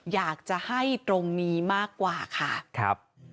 อยากจะให้ตรงนี้มากกว่าค่ะครับ